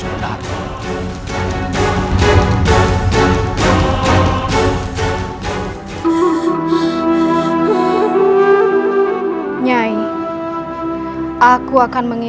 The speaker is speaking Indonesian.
jangan salahkan aku